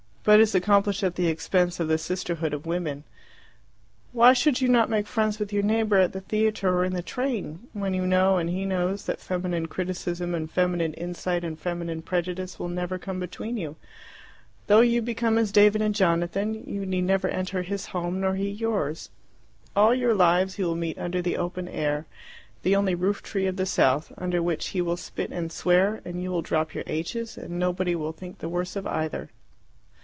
But is accomplished at the expense of the sisterhood of women. Why should you not make friends with your neighbour at the theatre or in the train, when you know and he knows that feminine criticism and feminine insight and feminine prejudice will never come between you? Though you become as David and Jonathan, you need never enter his home, nor he yours. All your lives you will meet under the open air, the only roof tree of the South, under which he will spit and swear, and you will drop your h's, and nobody will think the worse of either.